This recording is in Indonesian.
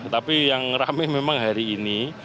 tapi yang rame memang hari ini